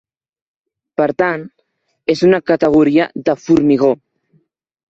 Per tant, és una categoria de formigó.